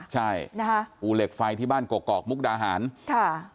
ใช่นะคะภูเหล็กไฟที่บ้านกกอกมุกดาหารค่ะ